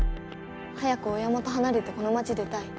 早く親元離れてこの町出たい。